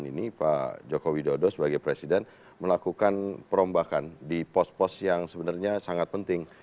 ini pak joko widodo sebagai presiden melakukan perombakan di pos pos yang sebenarnya sangat penting